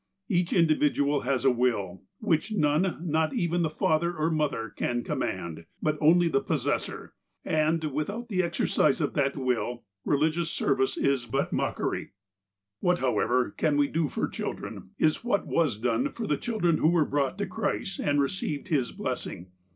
Each individual has a will, which none, not even father or mother, can command, but only the possessor — and, without the exercise of that will, religious service is but mockery, " What, however, we can do for children, is what was done for the children who were brought to Christ and received His blessing.